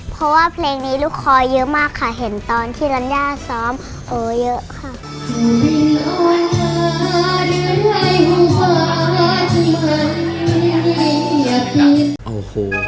เพราะว่าเพลงนี้ลูกคอเยอะมากค่ะเห็นตอนที่รัญญาซ้อมโอ้เยอะค่ะ